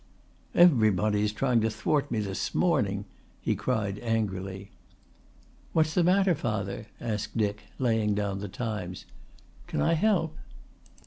"Everybody is trying to thwart me this morning," he cried angrily. "What's the matter, father?" asked Dick, laying down the Times. "Can I help?"